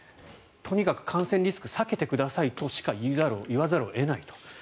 とにかく感染リスクを下げてくださいと言わざるを得ないと。